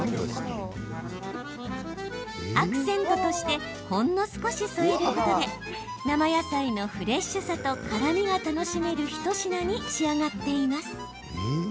アクセントとしてほんの少し添えることで生野菜のフレッシュさと辛みが楽しめる一品に仕上がっています。